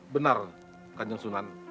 benar kanjeng sunan